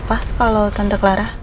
emang kenapa kalau tante clara